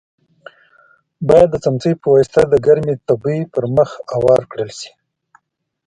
باید د څمڅۍ په واسطه د ګرمې تبۍ پر مخ اوار کړل شي.